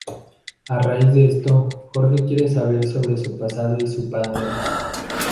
A raíz de esto Jorge quiere saber todo sobre su pasado y su padre.